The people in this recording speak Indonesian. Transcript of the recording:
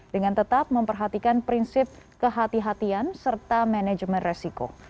dengan tetap memperhatikan prinsip kehatian serta manajemen resiko